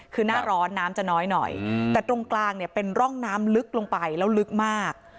คือหน้าร้อนน้ำจะน้อยหน่อยแต่ตรงกลางเนี่ยเป็นร่องน้ำลึกลงไปแล้วลึกมาก